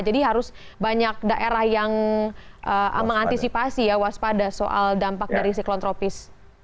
jadi harus banyak daerah yang mengantisipasi ya waspada soal dampak dari siklon tropis